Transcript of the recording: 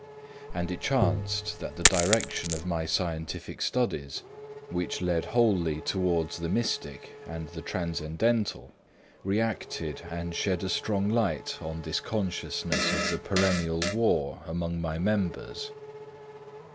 And it chanced that the direction of my scientific studies, which led wholly towards the mystic and the transcendental, reacted and shed a strong light on this consciousness of the perennial war among my members.